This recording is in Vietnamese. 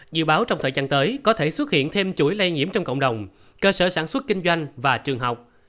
dự báo trong thời gian tới có thể xuất hiện thêm chuỗi lây nhiễm trong cộng đồng cơ sở sản xuất kinh doanh và trường học